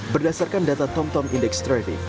berdasarkan data tomtom index traffic